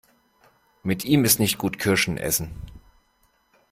Mit ihm ist nicht gut Kirschen essen.